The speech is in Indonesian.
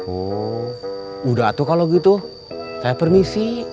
oh udah tuh kalau gitu saya permisi